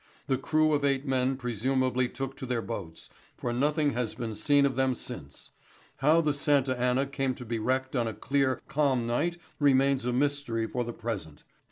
The crew of eight men presumably took to their boats, for nothing has been seen of them since. How the Santa Anna came to be wrecked on a clear, calm night remains a mystery for the present.